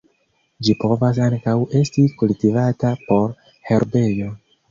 Ĝi povas ankaŭ esti kultivata por herbejo.